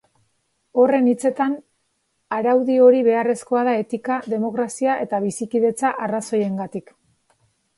Horren hitzetan, araudi hori beharrezkoa da etika, demokrazia eta bizikidetza arrazoiengatik.